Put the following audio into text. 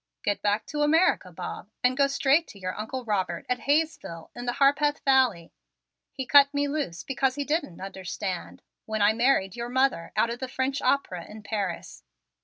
"Get back to America, Bob, and go straight to your Uncle Robert at Hayesville in the Harpeth Valley. He cut me loose because he didn't understand, when I married your mother out of the French opera in Paris.